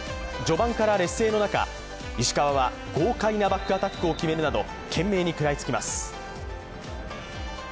序盤から劣勢の中、石川は豪快なバックアタックを決めるなど、懸命に食らいつきます。